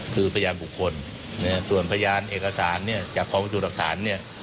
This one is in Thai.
คือพยานบุคคลส่วนพยานเอกสารเนี่ยจากกองพิสูจน์หลักฐานเนี่ย